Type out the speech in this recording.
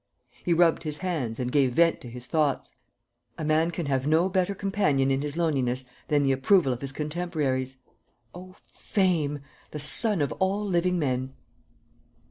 He rubbed his hands and gave vent to his thoughts: "A man can have no better companion in his loneliness than the approval of his contemporaries. O fame! The sun of all living men!